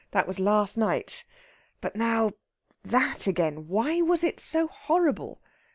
That was last night. But now that again! Why was it so horrible?